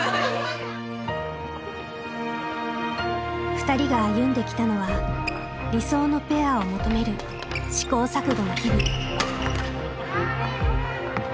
ふたりが歩んできたのは「理想のペア」を求める試行錯誤の日々。